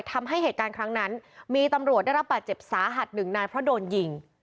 ทำให้เหตุการณ์ครั้งนั้นมีตำรวจได้รับบาดเจ็บสาหัสหนึ่งนายเพราะโดนยิง